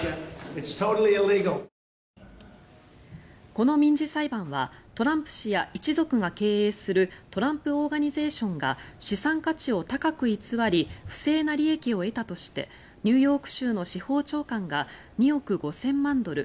この民事裁判はトランプ氏や一族が経営するトランプ・オーガニゼーションが資産価値を高く偽り不正な利益を得たとしてニューヨーク州の司法長官が２億５０００万ドル